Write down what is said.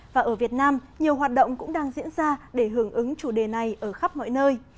và ở việt nam nhiều hoạt động cũng đang diễn ra để hưởng ứng chủ đề này ở khắp mọi nơi